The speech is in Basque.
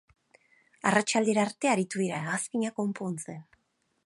Arratsaldera arte aritu dira hegazkina konpontzen.